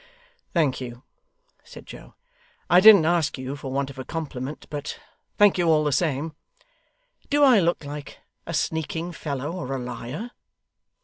'Thank you,' said Joe, 'I didn't ask you for want of a compliment, but thank you all the same. Do I look like a sneaking fellow or a liar?